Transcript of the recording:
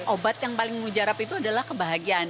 obat yang paling mujarab itu adalah kebahagiaan